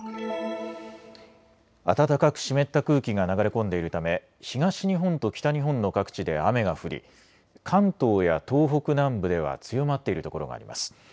暖かく湿った空気が流れ込んでいるため東日本と北日本の各地で雨が降り、関東や東北南部では強まっているところがあります。